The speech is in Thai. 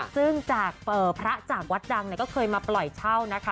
ซึ่งจากพระจากวัดดังก็เคยมาปล่อยเช่านะคะ